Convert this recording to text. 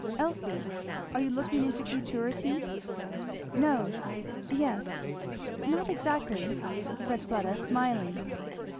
"Elfie! Are you looking into futurity?" "No, yes, not exactly," said Fleda smiling.